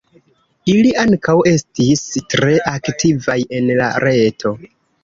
Ili ankaŭ estis tre aktivaj en la reto.